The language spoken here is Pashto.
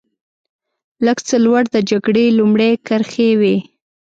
لږ څه لوړ د جګړې لومړۍ کرښې وې.